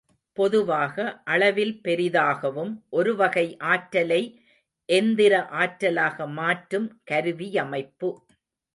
பொதுவாக, அளவில் பெரிதாகவும் ஒருவகை ஆற்றலை எந்திர ஆற்றலாக மாற்றும் கருவியமைப்பு.